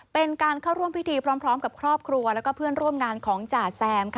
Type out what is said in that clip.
เป็นการเข้าร่วมพิธีพร้อมกับครอบครัวแล้วก็เพื่อนร่วมงานของจ่าแซม